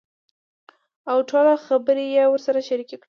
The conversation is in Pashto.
اوټوله خبره يې ورسره شريکه کړه .